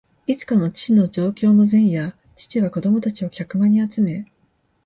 いつかの父の上京の前夜、父は子供たちを客間に集め、